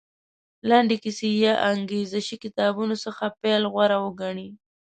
لنډې کیسې یا انګېزه شي کتابونو څخه پیل غوره وګڼي.